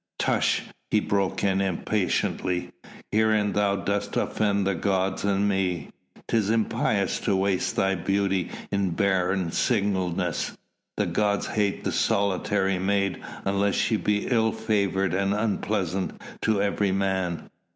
"Tush!" he broke in impatiently. "Herein thou dost offend the gods and me! 'Tis impious to waste thy beauty in barren singleness; the gods hate the solitary maid unless she be ill favoured and unpleasing to every man.